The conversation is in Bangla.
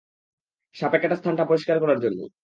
সাপে কাটা স্থানটা পরিষ্কার করার জন্য।